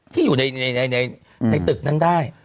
ที่อยู่ในตึกนั้นได้